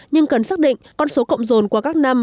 nhưng cần xác định con số cộng dồn qua các năm